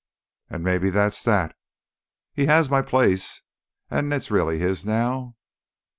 "And maybe that's that? He has my place, and it's really his now?"